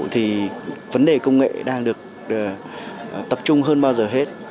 thì vấn đề công nghệ đang được tập trung hơn bao giờ hết